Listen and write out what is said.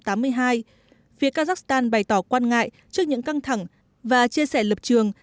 phía kazakhstan bày tỏ quan ngại trước những căng thẳng và chia sẻ lập trường